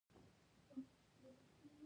افغانستان د خپلو اوښانو له پلوه ځانګړتیا لري.